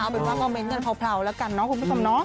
เอาเป็นว่าคอมเม้นต์กันพราวแล้วกันเนอะคุณพี่สำน้อง